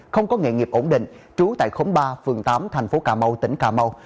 không có nghệ nghiệp ổn định trú tại khống ba phường tám thành phố cà mau tỉnh cà mau